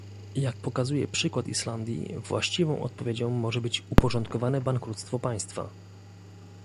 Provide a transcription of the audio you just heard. Jak pokazuje przykład Islandii, właściwą odpowiedzią może być uporządkowane bankructwo państwa